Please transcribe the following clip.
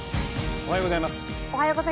おはようございます。